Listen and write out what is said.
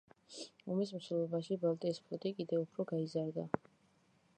ომის მსვლელობაში ბალტიის ფლოტი კიდევ უფრო გაიზარდა.